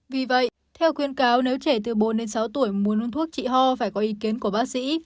vì vậy theo khuyên cáo nếu trẻ từ bốn sáu tuổi muốn uống thuốc trị hò phải có ý kiến của bác sĩ